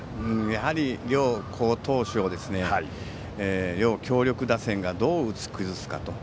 やはり両好投手を両強力打線がどう打ち崩すか。